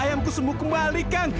ayamku sembuh kembali kang